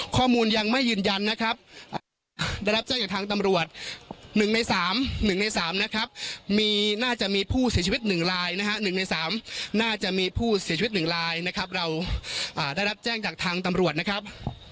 ข้อมูลยังไม่ยืนยันนะครับได้รับแจ้งจากทางตำรวจหนึ่งในสามหนึ่งในสามนะครับมีน่าจะมีผู้เสียชีวิตหนึ่งลายนะฮะหนึ่งในสามน่าจะมีผู้เสียชีวิตหนึ่งลายนะครับเราอ่าได้รับแจ้งจากทางตำรวจนะครับ